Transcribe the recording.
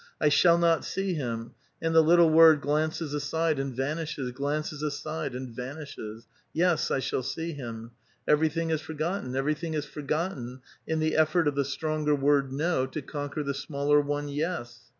^* 1 shall not see him "; and the little word glances aside aud vanishes, glances aside aud vanishes. *'" Yes, I shall see him." Everything is forgotten ; evei'y thing is for gotten in the effoit of the stronger word no to conquer the smaller one yes.